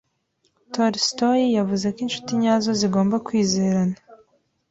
Tolstoy yavuze ko inshuti nyazo zigomba kwizerana.